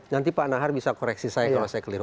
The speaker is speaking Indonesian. nanti pak nahar bisa koreksi saya kalau saya keliru